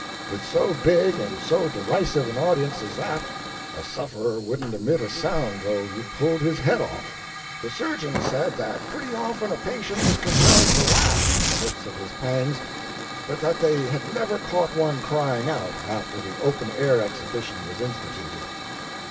With so big and so derisive an audience as that, a sufferer wouldn't emit a sound though you pulled his head off. The surgeons said that pretty often a patient was compelled to laugh, in the midst of his pangs, but that they had never caught one crying out, after the open air exhibition was instituted."